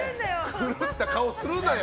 狂った顔するなよ。